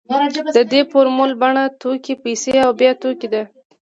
د دې فورمول بڼه توکي پیسې او بیا توکي ده